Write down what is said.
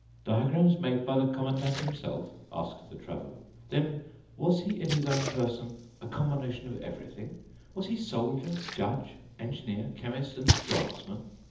"Diagrams made by the Commandant himself?" asked the Traveler. "Then was he in his own person a combination of everything? Was he soldier, judge, engineer, chemist, and draftsman?"